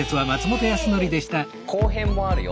後編もあるよ。